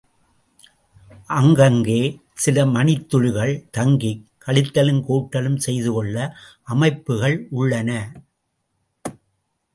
அங்கங்கே சில மணித்துளிகள் தங்கிக் கழித்தலும் கூட்டலும் செய்துகொள்ள அமைப்புகள் உள்ளன.